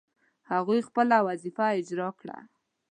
هغوی خپله وظیفه اجرا کړه.